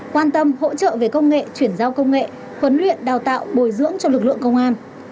quan tâm hỗ trợ về công nghệ chuyển giao công nghệ huấn luyện đào tạo bồi dưỡng cho lực lượng công an